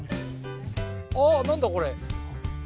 あ、何だこれ。